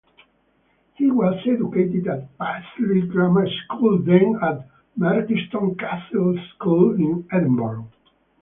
He was educated at Paisley Grammar School then at Merchiston Castle School in Edinburgh.